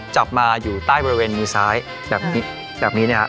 จับมาอยู่ใต้บริเวณมือซ้ายแบบนี้แบบนี้เนี้ยอ่า